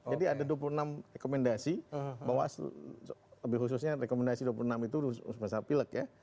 jadi ada dua puluh enam rekomendasi bawaslu lebih khususnya rekomendasi dua puluh enam itu ususnya pileg ya